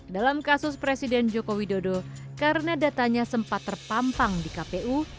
dalam kasus presiden joko widodo karena datanya sempat terpampang di kpu